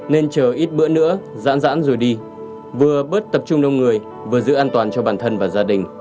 nên chờ ít bữa nữa dãn dãn rồi đi vừa bớt tập trung đông người vừa giữ an toàn cho bản thân và gia đình